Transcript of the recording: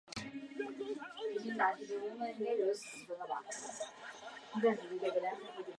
新别兹金卡农村居民点是俄罗斯联邦别尔哥罗德州新奥斯科尔区所属的一个农村居民点。